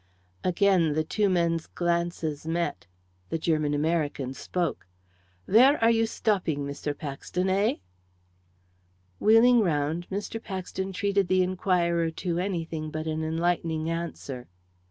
Again the two men's glances met. The German American spoke. "Where are you stopping, Mr. Paxton, eh?" Wheeling round, Mr. Paxton treated the inquirer to anything but an enlightening answer.